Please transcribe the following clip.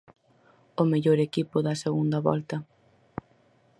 O mellor equipo da segunda volta.